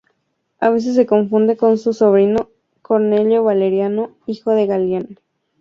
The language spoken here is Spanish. A veces se confunde con su sobrino, Cornelio Valeriano, hijo de Galieno.